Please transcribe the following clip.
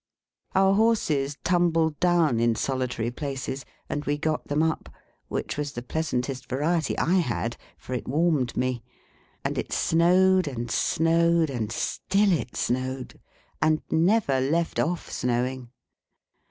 Our horses tumbled down in solitary places, and we got them up, which was the pleasantest variety I had, for it warmed me. And it snowed and snowed, and still it snowed, and never left off snowing.